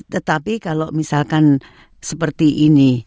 tetapi kalau misalkan seperti ini